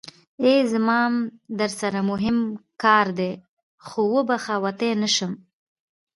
ای زما ام درسره موهم کار دی خو وبښه وتی نشم.